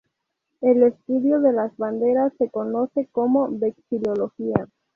El estudio de las banderas se conoce como vexilología.